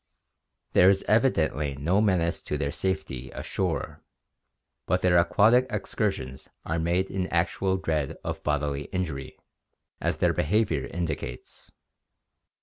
There is evi dently no menace to their safety ashore but their aquatic excur sions are made in actual dread of bodily injury, as their behavior indicates.